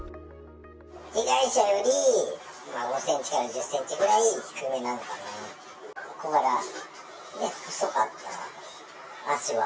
被害者より５センチから１０センチぐらい低めなのかな、小柄、細かった、脚は。